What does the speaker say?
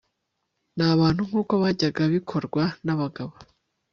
n'abantu nk'uko byajyaga bikorwa n'abagabo